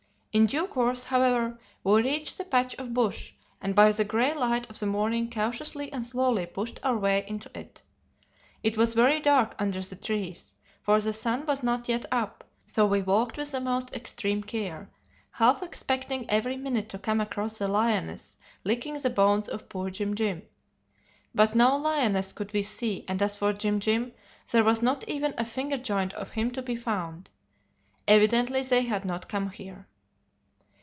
In due course, however, we reached the patch of bush, and by the grey light of the morning cautiously and slowly pushed our way into it. It was very dark under the trees, for the sun was not yet up, so we walked with the most extreme care, half expecting every minute to come across the lioness licking the bones of poor Jim Jim. But no lioness could we see, and as for Jim Jim there was not even a finger joint of him to be found. Evidently they had not come here.